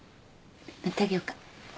塗ってあげようか？